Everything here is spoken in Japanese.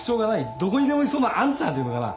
どこにでもいそうなあんちゃんっていうのかな？